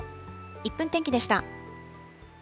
１分天気でした。